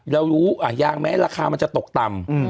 เรารู้ยางแม้ราคามันจะตกต่ำ